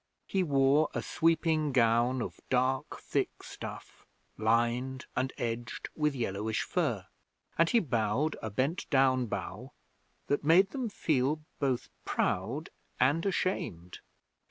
He wore a sweeping gown of dark thick stuff, lined and edged with yellowish fur, and he bowed a bent down bow that made them feel both proud and ashamed.